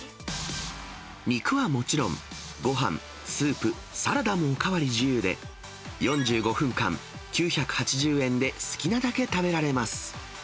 肉はもちろん、ごはん、スープ、サラダもお代わり自由で、４５分間９８０円で好きなだけ食べられます。